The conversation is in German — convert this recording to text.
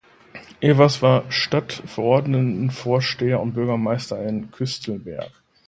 Ewers war Stadtverordnetenvorsteher und Bürgermeister in Küstelberg.